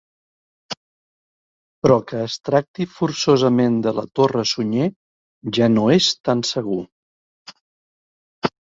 Però que es tracti forçosament de la Torre Sunyer ja no és tan segur.